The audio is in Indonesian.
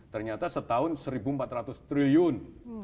ternyata setahun rp satu empat ratus triliun